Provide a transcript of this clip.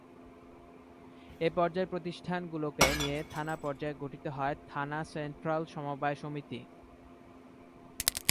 এ পর্যায়ের প্রতিষ্ঠানগুলোকে নিয়ে থানা পর্যায়ে গঠিত হয় থানা সেন্ট্রাল সমবায় সমিতি।